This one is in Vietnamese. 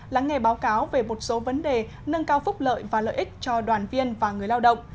lắng nghe báo cáo về một số vấn đề nâng cao phúc lợi và lợi ích cho đoàn viên và người lao động